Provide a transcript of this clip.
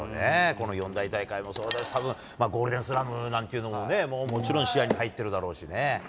この四大大会もそうですし、たぶんゴールデンスラムなんていうのももちろん視野に入ってるだろうしね。